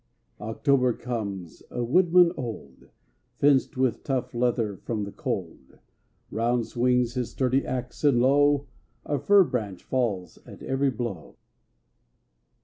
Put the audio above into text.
October comes, a woodman old, Fenced with tough leather from the cold; Round swings his sturdy axe, and lo! A fir branch falls at every blow.